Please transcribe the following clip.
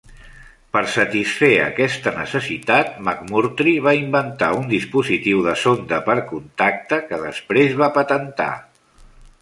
Per satisfer aquesta necessitat, McMurtry va inventar un dispositiu de sonda per contacte, que després va patentar.